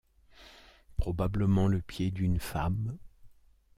Probablement le pied d’une femme.